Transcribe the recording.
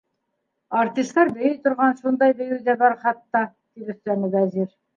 Артистар бейей торған шундай бейеү ҙә бар хатта, - тип өҫтәне Вәзир.